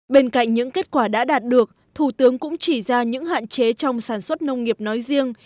bên cạnh những kết quả đã đạt được thủ tướng cũng chỉ ra những hạn chế trong sản xuất nông nghiệp nói riêng